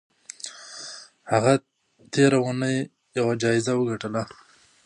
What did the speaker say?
هغې تېره اونۍ یوه جایزه وګټله.